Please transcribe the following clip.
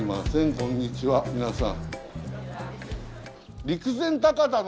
こんにちは皆さん。